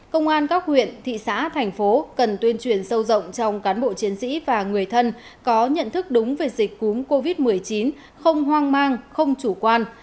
công an các huyện thị xã thành phố cần tuyên truyền sâu rộng trong cán bộ chiến sĩ và người thân có nhận thức đúng về dịch cúm covid một mươi chín không hoang mang không chủ quan